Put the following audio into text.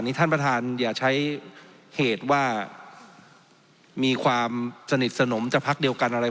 ท่านประธานอย่าใช้เหตุว่ามีความสนิทสนมจากพักเดียวกันอะไร